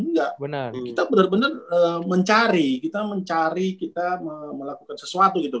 enggak kita benar benar mencari kita mencari kita melakukan sesuatu gitu